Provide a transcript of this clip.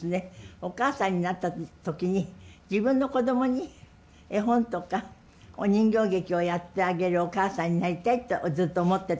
お母さんになった時に自分のこどもに絵本とかお人形劇をやってあげるお母さんになりたいとずっと思ってて。